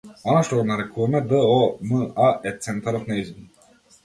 Она што го нарекуваме д о м а, е центарот нејзин.